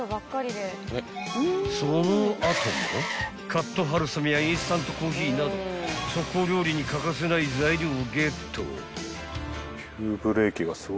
［その後もカットはるさめやインスタントコーヒーなど速攻料理に欠かせない材料をゲット］